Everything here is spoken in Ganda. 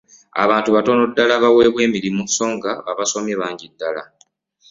Abantu batono ddala abawebwa emirimu sso nga abasomye bangi ddala.